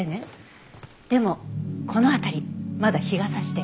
でもこの辺りまだ日が差してる。